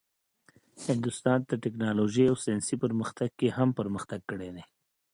هندوستان د ټیکنالوژۍ او ساینسي پرمختګ کې هم پرمختګ کړی دی.